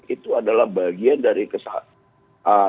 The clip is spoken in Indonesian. itu adalah bagian dari kesalahan